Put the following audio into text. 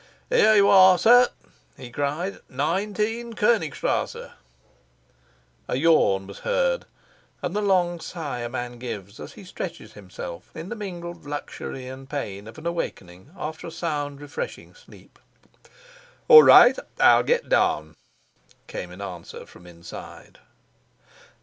"Here you are, sir," he cried. "Nineteen, Konigstrasse." A yawn was heard, and the long sigh a man gives as he stretches himself in the mingled luxury and pain of an awakening after sound refreshing sleep. "All right; I'll get down," came in answer from inside.